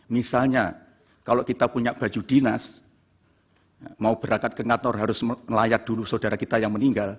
misalnya kalau kita punya baju dinas mau berangkat ke kantor harus melayat dulu saudara kita yang meninggal